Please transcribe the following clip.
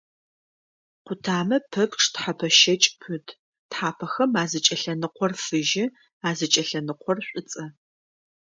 Къутамэ пэпчъ тхьэпэ щэкӀ пыт, тхьапэхэм азыкӀэлъэныкъор фыжьы, азыкӀэлъэныкъор шӀуцӀэ.